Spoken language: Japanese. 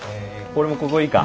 俺もここいいか？